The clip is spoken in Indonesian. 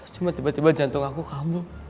cuma tiba tiba jantung aku kabur